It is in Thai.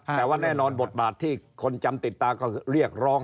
แต่ว่าแน่นอนบทบาทที่คนจำติดตาก็คือเรียกร้อง